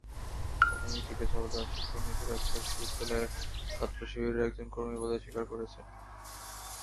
প্রাথমিক জিজ্ঞাসাবাদে আশিকুর নিজেকে রাজশাহী বিশ্ববিদ্যালয়ের ছাত্রশিবিরের একজন কর্মী বলে স্বীকার করেছেন।